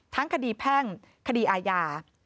ทั้งคดีแพ่งคดีอาญา